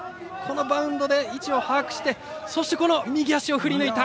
バウンドで位置を把握して右足を振り抜いた！